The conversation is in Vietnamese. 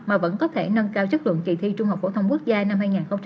mà vẫn có thể nâng cao chất lượng kỳ thi trung học phổ thông quốc gia năm hai nghìn một mươi tám